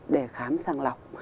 để khám sàng lọc